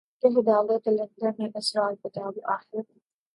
کہہ ڈالے قلندر نے اسرار کتاب آخر